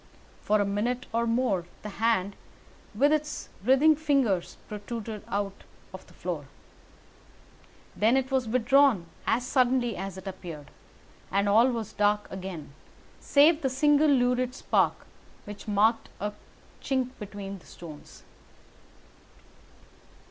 For a minute or more the hand, with its writhing fingers, protruded out of the floor. Then it was withdrawn as suddenly as it appeared, and all was dark again save the single lurid spark which marked a chink between the stones.